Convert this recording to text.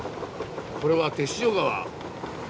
これは天塩川。